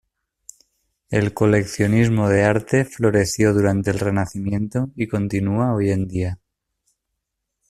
El coleccionismo de arte floreció durante el Renacimiento y continúa hoy en día.